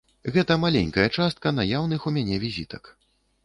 Гэта маленькая частка наяўных у мяне візітак.